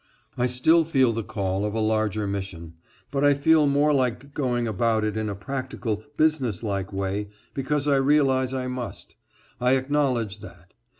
I still feel the call of a larger mission, but I feel more like going about it in a practical, business like way, because I realize I must. I acknowledge that.